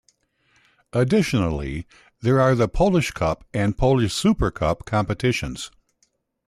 Additionally, there are the Polish Cup and Polish Supercup competitions.